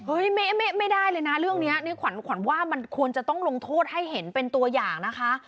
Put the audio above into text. ไม่ได้เลยนะเรื่องนี้นี่ขวัญว่ามันควรจะต้องลงโทษให้เห็นเป็นตัวอย่างนะคะ